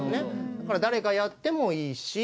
だから誰がやってもいいし。